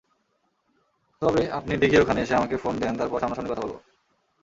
তবে আপনি দীঘির ওখানে এসে আমাকে ফোন দেন তারপর সামনাসামনি কথা বলব।